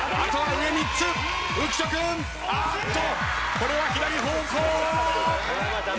これは左方向！